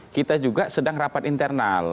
kita juga sedang rapat internal